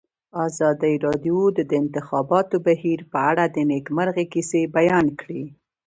ازادي راډیو د د انتخاباتو بهیر په اړه د نېکمرغۍ کیسې بیان کړې.